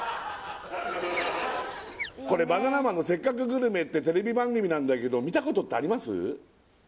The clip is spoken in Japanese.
これ「バナナマンのせっかくグルメ！！」ってテレビ番組なんだけど見たことってあります？